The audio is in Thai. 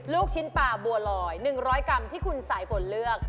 ลูกชิ้นปลาบัวลอย๑๐๐กรัมที่คุณสายฝนเลือก